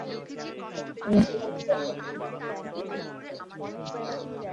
এটি সমুদ্রগামী জাহাজ ও যুদ্ধক্ষেত্রে বেশি কাজে লাগে।